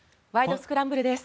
スクランブル」です。